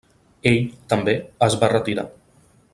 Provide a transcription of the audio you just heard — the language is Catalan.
Ell, també, es va retirar.